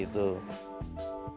jadi itu adalah penyebabnya